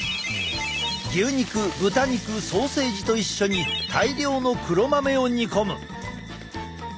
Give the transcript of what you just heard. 牛肉豚肉ソーセージと一緒に大量の黒豆を煮込む。